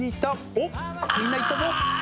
おっみんないったぞ。